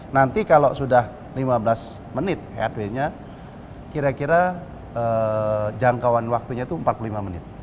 nanti kalau sudah lima belas menit headway nya kira kira jangkauan waktunya itu empat puluh lima menit